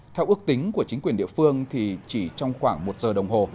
theo ước tính của chính quyền địa phương thì chỉ trong khoảng một giờ đồng hồ